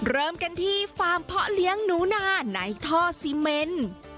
เริ่มกันที่ฟาร์มเพาะเลี้ยงหนูนาในท่อซีเมน